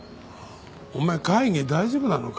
お前会議大丈夫なのか？